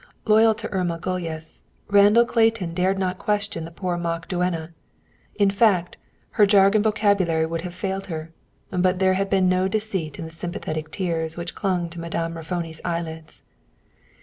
Loyal to Irma Gulyas, Randall Clayton dared not question the poor mock duenna; in fact, her jargon vocabulary would have failed her, but there had been no deceit in the sympathetic tears which clung to Madame Raffoni's eyelids.